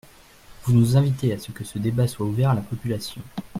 Vous nous invitez à ce que ce débat soit ouvert à la population.